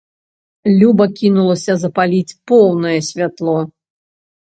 Люба кінулася запаліць поўнае святло.